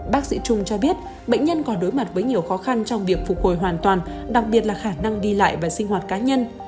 bác sĩ trung cho biết bệnh nhân còn đối mặt với nhiều khó khăn trong việc phục hồi hoàn toàn đặc biệt là khả năng đi lại và sinh hoạt cá nhân